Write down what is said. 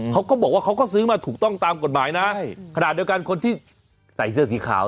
เขาก็บอกว่าเขาก็ซื้อมาถูกต้องตามกฎหมายนะใช่ขนาดเดียวกันคนที่ใส่เสื้อสีขาว